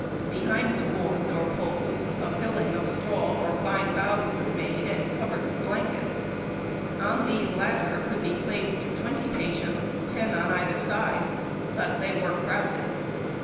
Behind the boards or poles a filling of strav^■ or line boughs was made and covered witli blankets. On tln s»^ latter could be placed twenty patients, ten on either side: but they were crowded.